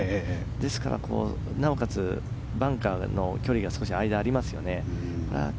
ですから、なおかつバンカーの距離が少し間がありますよね。